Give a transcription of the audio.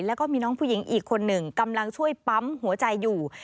แล้วก็มีน้องผู้หญิงอีกคนหนึ่งกำลังช่วยปั๊มหัวใจอยู่